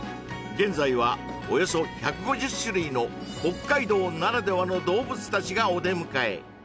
現在はおよそ１５０種類の北海道ならではの動物たちがお出迎え